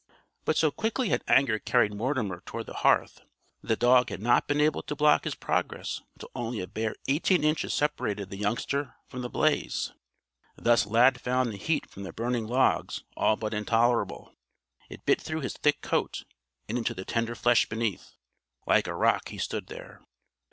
But so quickly had anger carried Mortimer toward the hearth that the dog had not been able to block his progress until only a bare eighteen inches separated the youngster from the blaze. Thus Lad found the heat from the burning logs all but intolerable. It bit through his thick coat and into the tender flesh beneath. Like a rock he stood there.